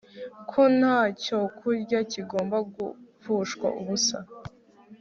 ko nta cyokurya kigomba gupfushwa ubusa